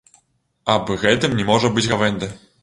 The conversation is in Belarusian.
Аб гэтым не можа быць гавэнды.